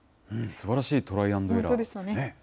すばらしいトライ＆エラーですね。